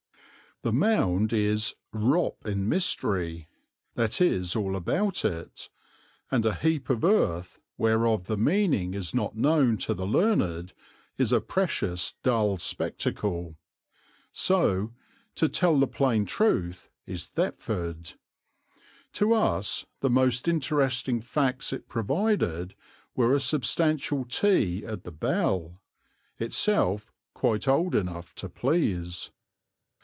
The Mound is "wrop in mystery," that is all about it, and a heap of earth whereof the meaning is not known to the learned is a precious dull spectacle. So, to tell the plain truth, is Thetford. To us the most interesting facts it provided were a substantial tea at the "Bell," itself quite old enough to please.